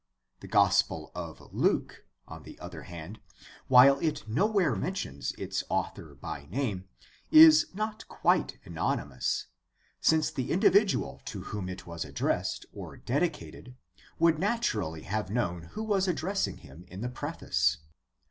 The Gospel of Luke, on the other hand, while it no where mentions its author by name, is not quite anonymous since the individual to whom it was addressed or dedicated would naturally have known who was addressing him in the preface.